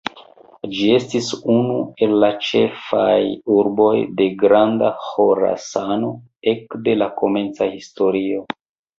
Ĝi estis unu el la ĉefaj urboj de Granda Ĥorasano, ekde la komenca historio.